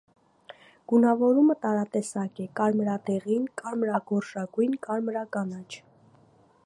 Գունավորումը տարատեսակ է (կարմրադեղին, կարմրագորշագույն, կարմրականաչ)։